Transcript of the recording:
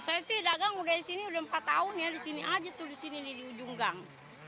saya sih dagang udah di sini udah empat tahun ya di sini aja tuh di sini di ujung gang